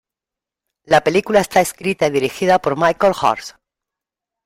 La película está escrita y dirigida por Michael Hurst.